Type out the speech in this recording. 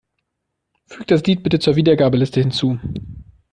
Füg das Lied bitte zur Wiedergabeliste hinzu.